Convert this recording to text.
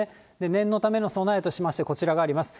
念のための備えとしましてこちらがあります。